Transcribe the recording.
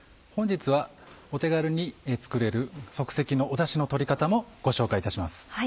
本日はお手軽に作れる即席のダシの取り方もご紹介いたします。